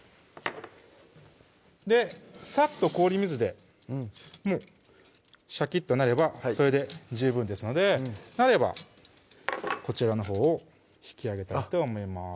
サッと氷水でシャキッとなればそれで十分ですのでなればこちらのほうを引き上げたいと思います